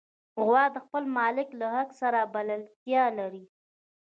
غوا د خپل مالک له غږ سره بلدتیا لري.